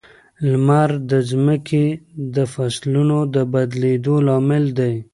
لمر د ځمکې د فصلونو د بدلېدو لامل دی.